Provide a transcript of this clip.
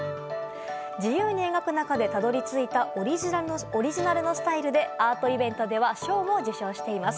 自由に描く中でたどり着いたオリジナルのスタイルでアートイベントでは賞も受賞しています。